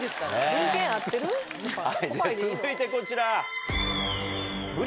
続いてこちら。